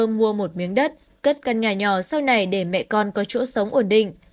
ông mua một miếng đất cất căn nhà nhỏ sau này để mẹ con có chỗ sống ổn định